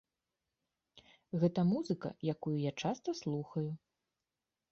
Гэта музыка, якую я часта слухаю.